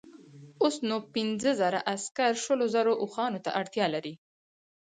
اوس نو که پنځه زره عسکر شلو زرو اوښانو ته اړتیا لري.